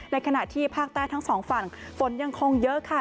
ขณะที่ภาคใต้ทั้งสองฝั่งฝนยังคงเยอะค่ะ